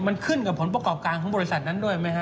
มันขึ้นกับผลประกอบการของบริษัทนั้นด้วยไหมฮะ